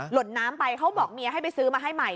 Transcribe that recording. หล่นน้ำไปเขาบอกเมียให้ไปซื้อมาให้ใหม่